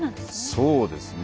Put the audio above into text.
そうですね。